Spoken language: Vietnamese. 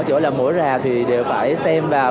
chỗ là mỗi rạp thì đều phải xem vào